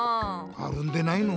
あるんでないの？